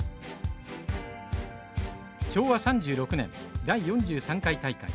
昭和３６年第４３回大会。